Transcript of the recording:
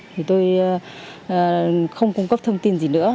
thì tôi không cung cấp thông tin gì nữa